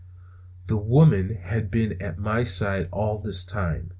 The woman had been by my side all this time.